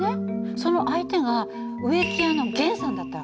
その相手が植木屋の源さんだった訳。